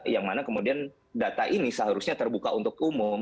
yang mana kemudian data ini seharusnya terbuka untuk umum